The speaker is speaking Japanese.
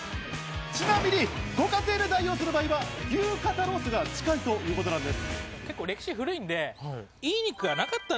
ちなみにご家庭で代用する場合は牛肩ロースが近いということです。